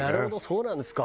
そうなんですか。